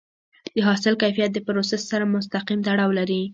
د حاصل کیفیت د پروسس سره مستقیم تړاو لري.